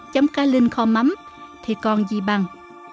chấm cá linh kho mắm thì còn gì bằng